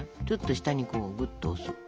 ちょっと下にこうぐっと押す。